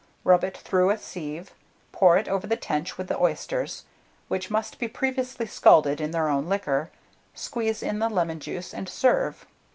Rub it through a sieve, pour it over the tench with the oysters, which must be previously scalded in their own liquor, squeeze in the lemon juice, and serve.